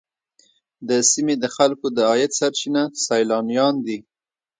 د سیمې د خلکو د عاید سرچینه سیلانیان دي.